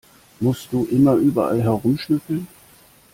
Musst du immer überall herumschnüffeln?